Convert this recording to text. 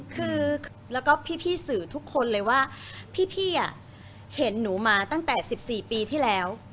คือแล้วก็พี่สื่อทุกคนเลยว่าพี่เห็นหนูมาตั้งแต่๑๔ปีที่แล้ว